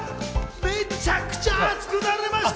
めちゃくちゃ熱くなれました！